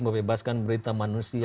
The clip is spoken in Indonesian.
membebaskan berita manusia